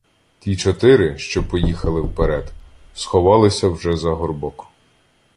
Ті чотири, що поїхали вперед, сховалися вже за горбок.